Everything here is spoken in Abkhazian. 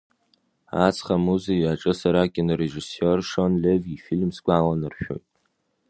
Аҵх амузеи аҿы сара акинорежиссиор Шон Леви ифильм сгәаланаршәоит.